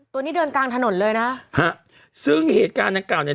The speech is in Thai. ตัวนี้เดินกลางถนนเลยนะฮะซึ่งเหตุการณ์ดังกล่าวเนี้ย